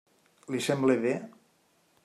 Li sembla bé?